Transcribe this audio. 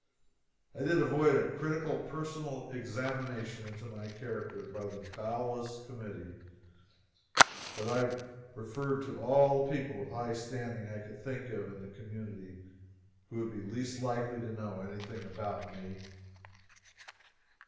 I did avoid a critical personal examination into my character by that bowelless committee, but I referred to all the people of high standing I could think of in the community who would be least likely to know anything about me.